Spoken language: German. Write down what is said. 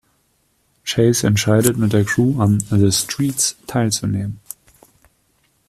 Chase entscheidet, mit der Crew an „The Streets“ teilzunehmen.